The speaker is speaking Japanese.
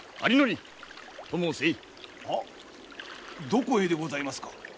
どこへでございますか？